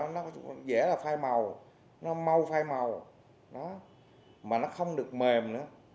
nó dễ là phai màu nó mau phai màu mà nó không được mềm nữa